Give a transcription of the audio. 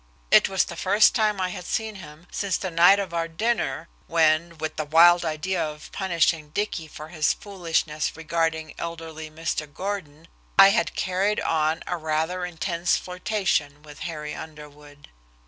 It was the first time I had seen him since the night of our dinner, when with the wild idea of punishing Dicky for his foolishness regarding elderly Mr. Gordon I had carried on a rather intense flirtation with Harry Underwood.